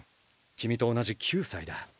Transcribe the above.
君と同じ９歳だ。